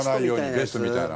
ベストみたいな。